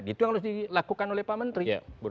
itu yang harus dilakukan oleh pak menteri